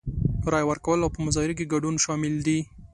رای ورکول او په مظاهرو کې ګډون شامل دي.